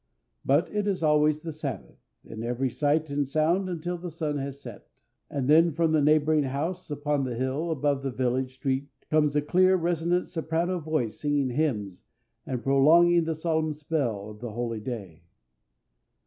But it is always the Sabbath, in every sight and sound until the sun has set, and then from the neighboring house upon the hill above the village street comes a clear, resonant soprano voice singing hymns and prolonging the solemn spell of the holy day.